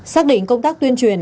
xác định công tác tuyên truyền